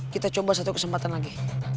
kita coba satu kesempatan lagi